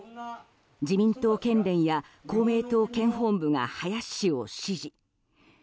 自民党県連や公明党県本部が林氏を支持。